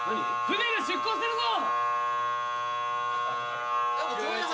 船が出港するぞ！